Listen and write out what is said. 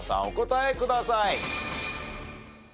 お答えください。